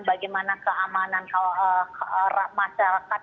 bagaimana keamanan masyarakat